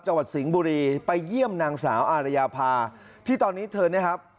จังหวัดสิงห์บุรีไปเยี่ยมนางสาวอารยาภาที่ตอนนี้เธอเนี่ยครับ